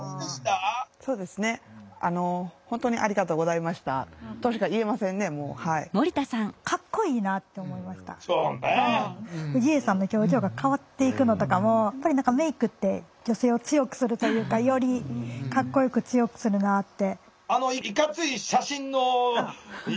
そうですね氏家さんの表情が変わっていくのとかもやっぱり何かメークって女性を強くするというかよりかっこよく強くするなって。